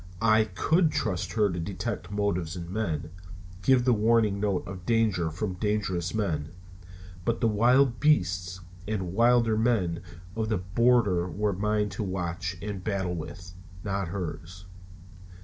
I could trust her to detect motives in men, give the warning note of danger from dangerous men; but the wild beasts and wilder men of the border were mine to watch and battle with, not hers.